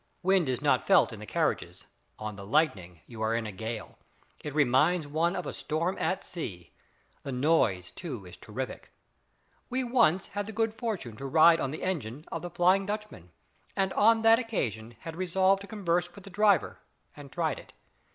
Wind is not felt in the carriages. On the Lightning you are in a gale. It reminds one of a storm at sea. The noise, too, is terrific. We once had the good fortune to ride on the engine of the "Flying Dutchman," and on that occasion had resolved to converse with the driver, and tried it.